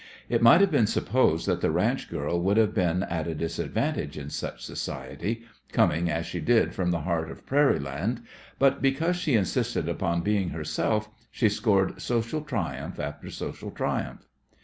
It might have been supposed that the ranch girl would have been at a disadvantage in such society, coming as she did from the heart of prairie land, but because she insisted upon being herself she scored social triumph after social triumph.